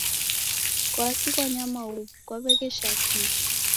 Kwaki kwanyama huw'u kwaw'eghesha kii?